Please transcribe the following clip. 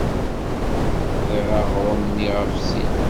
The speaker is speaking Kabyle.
Bḍiɣ aɣrum-nni ɣef sin.